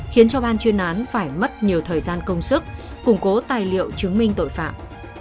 khiến cho ban chuyên án phải mất nhiều thời gian công sức củng cố tài liệu chứng minh tội phạm